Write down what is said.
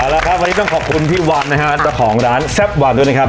แล้วครับวันนี้ต้องขอบคุณพี่วันนะฮะเจ้าของร้านแซ่บวันด้วยนะครับ